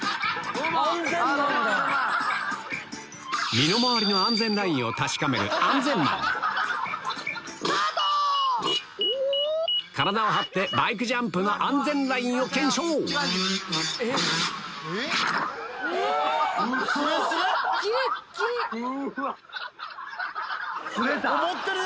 身の回りの安全ラインを確かめる体を張ってバイクジャンプの安全ラインを検証うわっ！